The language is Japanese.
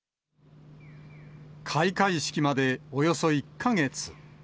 開会式までおよそ１か月。